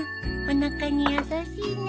おなかに優しいね。